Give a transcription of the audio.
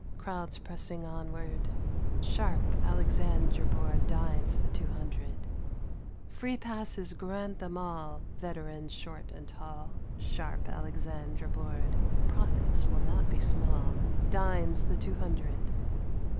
Crowds pressing onward, — Sharp Alexandra Board Dines the Two Hundred !" Free passes grant them all !' Veterans, short and tall —' Sharp Alexandra Board — (Profits will not be small) — Dines the Two Hundred